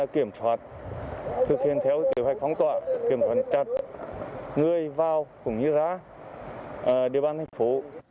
kiểm soát thực hiện theo kế hoạch phóng tọa kiểm soát chặt người vào cũng như ra địa bàn thành phố